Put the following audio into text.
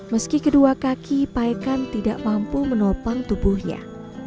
meski kedua kaki paekan tidak mampu menopang tubuhnya